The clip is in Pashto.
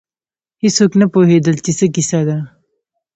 هېڅوک نه پوهېدل چې څه کیسه ده.